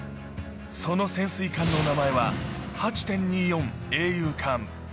その潜水艦の名前は８．２４英雄艦。